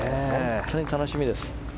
本当に楽しみです。